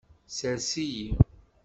Sers-iyi.